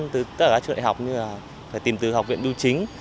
tất cả các trường đại học như là phải tìm từ học viện đu chính